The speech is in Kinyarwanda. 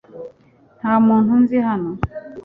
Nta muntu nzi hano .